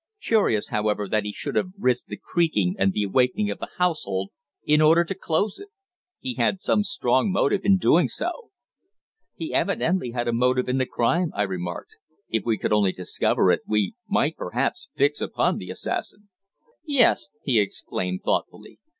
Curious, however, that he should have risked the creaking and the awakening of the household in order to close it. He had some strong motive in doing so." "He evidently had a motive in the crime," I remarked. "If we could only discover it, we might perhaps fix upon the assassin." "Yes," he exclaimed, thoughtfully.